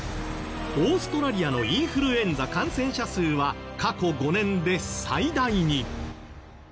オーストラリアのインフルエンザ感染者数は過去５年で最大に。